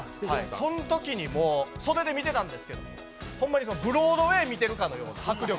そんときに袖で見てたんですけども、ほんまにブロードウェイ見てるかのような迫力。